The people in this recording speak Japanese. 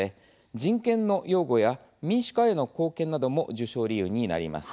人権の擁護や民主化への貢献なども授賞理由になります。